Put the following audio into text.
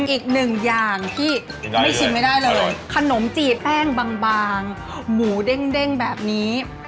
อีกหนึ่งอย่างที่ไม่ชิมไม่ได้เลยขนมจีบแป้งบางหมูเด้งแบบนี้